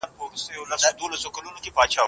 ثانیه وايي، صبر یې د مور کېدو له امله زیات شوی.